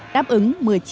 đáp ứng một mươi chín